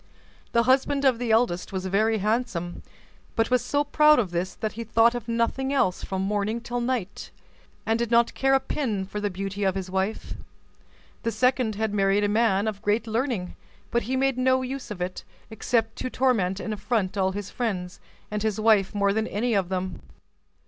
The husband of the eldest was very handsome, but was so proud of this that he thought of nothing else from morning till night, and did not care a pin for the beauty of his wife. The second had married a man of great learning; but he made no use of it, except to torment and affront all his friends, and his wife more than any of them.